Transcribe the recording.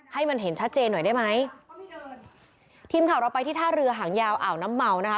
ให้มันเห็นชัดเจนหน่อยได้ไหมทีมข่าวเราไปที่ท่าเรือหางยาวอ่าวน้ำเมานะคะ